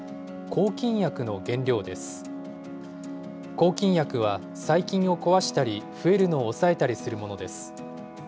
抗菌薬は、細菌を壊したり、増えるのを抑えたりするものです。